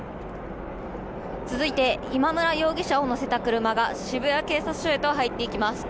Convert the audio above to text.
続いて今村容疑者を乗せた車が渋谷警察署へと入っていきます。